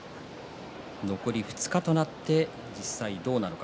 残り２日となって実際にどうなのか。